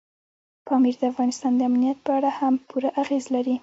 پامیر د افغانستان د امنیت په اړه هم پوره اغېز لري.